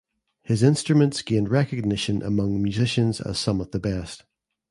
His instruments gained recognition among musicians as some of the best.